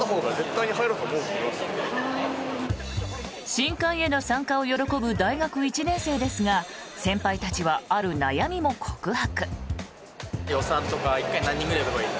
新歓への参加を喜ぶ大学１年生ですが先輩たちは、ある悩みも告白。